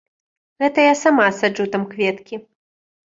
Гэта я сама саджу там кветкі.